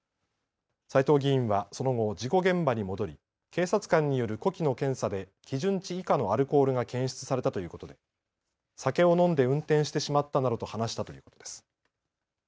斉藤議員はその後、事故現場に戻り警察官による呼気の検査で基準値以下のアルコールが検出されたということで酒を飲んで運転してしまったなどと話したということです。